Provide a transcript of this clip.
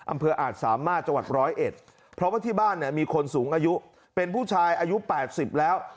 อาจสามารถจังหวัดร้อยเอ็ดเพราะว่าที่บ้านเนี่ยมีคนสูงอายุเป็นผู้ชายอายุ๘๐แล้ว